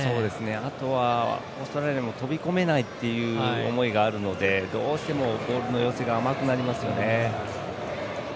あとは、オーストラリアも飛び込めないっていう思いがあるのでどうしても、ボールの寄せが甘くなりますよね。